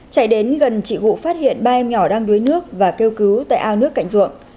chạy đến gần chị hụ phát hiện ba em nhỏ đang đuối nước và kêu cứu tại ao nước cạnh ruộng